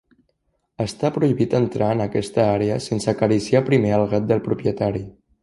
Està prohibit entrar en aquesta àrea sense acariciar primer el gat del propietari.